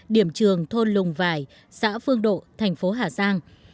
điểm trường thôn lùng vải xã phương độ thành phố hà giang